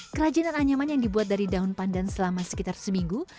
kerajinan anyaman yang dibuat dari daun pandan selama sekitar seminggu